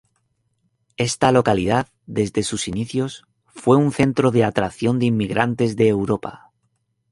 Esta localidad desde sus inicios fue un centro de atracción de inmigrantes de Europa.